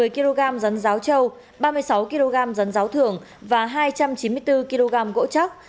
một mươi kg rắn ráo trâu ba mươi sáu kg rắn ráo thường và hai trăm chín mươi bốn kg gỗ chóc